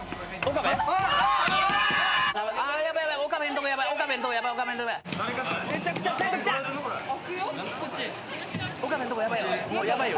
岡部んとこヤバいよ。